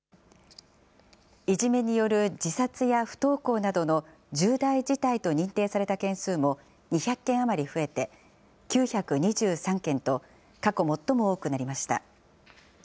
いじめによる自殺や不登校などの重大事態と認定された件数も２００件余り増えて９２３件と、過去最も多くなりました。